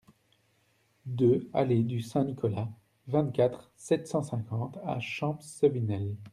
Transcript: deux allée du Saint-Nicolas, vingt-quatre, sept cent cinquante à Champcevinel